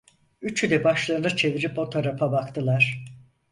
Üçü de başlarını çevirip o tarafa baktılar.